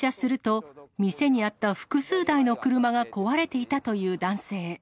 出社すると、店にあった複数台の車が壊れていたという男性。